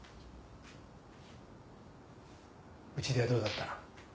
家ではどうだった？